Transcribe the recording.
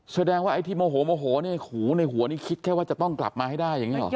แสดงว่าไอ้ที่โมโหโมโหเนี่ยหูในหัวนี่คิดแค่ว่าจะต้องกลับมาให้ได้อย่างนี้หรอ